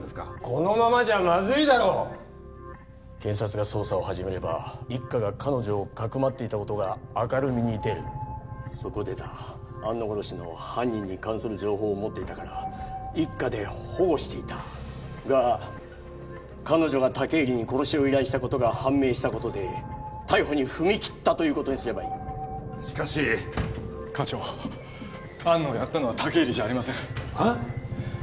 このままじゃまずいだろ検察が捜査を始めれば一課が彼女をかくまっていたことが明るみに出るそこでだ安野殺しの犯人に関する情報を持っていたから一課で保護していたが彼女が武入に殺しを依頼したことが判明したことで逮捕に踏み切ったということにすればいいしかし課長安野をやったのは武入じゃありませんえっ？